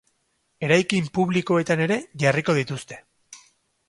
Eraikin publikoetan ere jarriko dituzte.